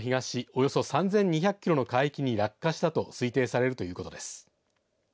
およそ３２００キロの海域に落下したあと推定されるということです。